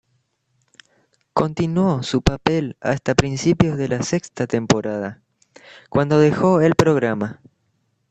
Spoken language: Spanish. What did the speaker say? Continuó su papel hasta principios de la sexta temporada, cuando dejó el programa.